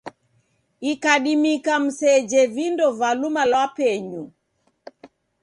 Ikadimika mseje vindo va luma lwa penyu.